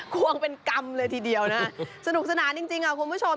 ควงเป็นกรรมเลยทีเดียวนะสนุกสนานจริงค่ะคุณผู้ชม